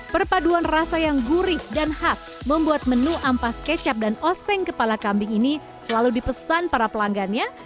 perpaduan rasa yang gurih dan khas membuat menu ampas kecap dan oseng kepala kambing ini selalu dipesan para pelanggannya